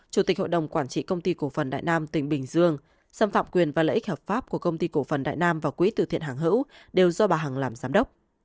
chủ tịch hội đồng quản trị công ty cổ phần đại nam tỉnh bình dương xâm phạm quyền và lợi ích hợp pháp của công ty cổ phần đại nam và quỹ tử thiện hàng hữu đều do bà hằng làm giám đốc